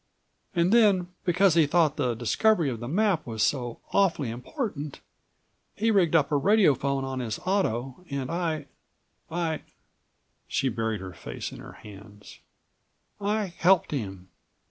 And then, because he thought the discovery of the map was so awfully important, he rigged up a radiophone on his auto and I—I"—she buried her face in her hands—"I helped him.